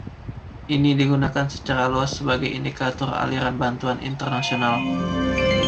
Ini digunakan secara luas sebagai indikator aliran bantuan internasional.